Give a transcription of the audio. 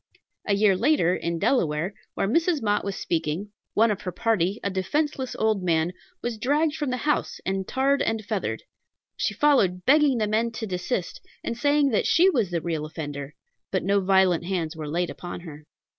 A year later, in Delaware, where Mrs. Mott was speaking, one of her party, a defenceless old man, was dragged from the house, and tarred and feathered. She followed, begging the men to desist, and saying that she was the real offender, but no violent hands were laid upon her.